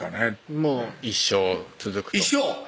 もう一生続くと一生？